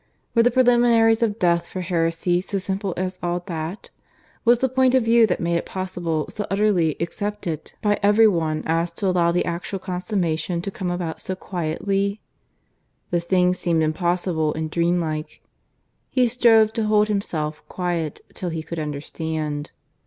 Were the preliminaries of Death for Heresy so simple as all that? Was the point of view that made it possible so utterly accepted by everyone as to allow the actual consummation to come about so quietly? ... The thing seemed impossible and dreamlike. He strove to hold himself quiet till he could understand.